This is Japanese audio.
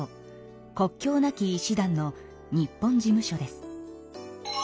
国境なき医師団の日本事務所です。